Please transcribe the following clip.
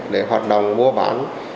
để hoạt động mua bán